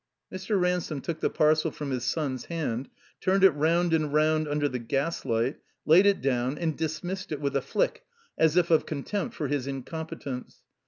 Mr. Ransome took the parcel from his son's hand, turned it rotmd and round imder the gaslight, laid it down, and dismissed it with a flick as of contempt for his incompetence.